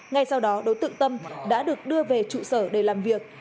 ngay sau đó đối tượng tâm đã được đưa về trụ sở để làm việc